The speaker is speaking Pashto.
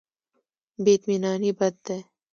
بې اطمیناني بد دی.